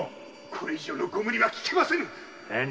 〔これ以上のご無理はきけませぬ！〕